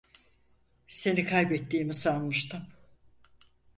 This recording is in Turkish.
Seni kaybettiğimi sanmıştım.